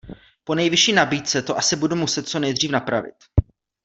Po Nejvyšší nabídce to asi budu muset co nejdřív napravit.